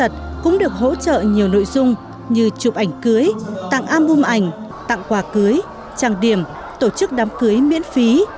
các cặp đôi khuyết tật cũng được hỗ trợ nhiều nội dung như chụp ảnh cưới tặng album ảnh tặng quà cưới trang điểm tổ chức đám cưới miễn phí